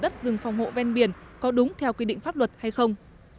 đất rừng phòng hộ ven biển có đúng theo quy định pháp luật hay không